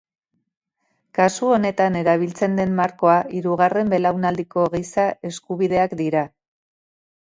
Kasu honetan erabiltzen den markoa hirugarren belaunaldiko giza eskubideak dira.